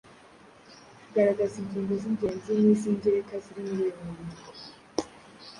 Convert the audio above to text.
Garagaza ingingo z’ingenzi n’iz’ingereka ziri muri uyu mwandiko.